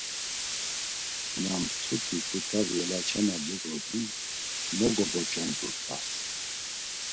Na mtuti ǩut̆avi elaçama cegozun, mo gogoç̌ondurt̆as!